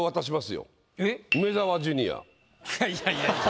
いやいやいやいや。